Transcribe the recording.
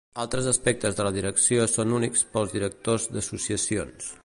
Altres aspectes de la direcció són únics pels directors d'associacions.